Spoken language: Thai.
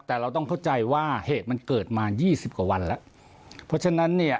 แต่เราต้องเข้าใจว่าเหตุมันเกิดมายี่สิบกว่าวันแล้วเพราะฉะนั้นเนี่ย